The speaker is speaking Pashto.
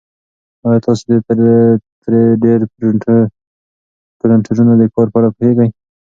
ایا تاسي د تری ډي پرنټرونو د کار په اړه پوهېږئ؟